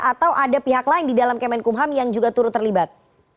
atau ada pihak lain di dalam kemenkumham yang juga turut terlibat